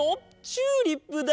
チューリップだ！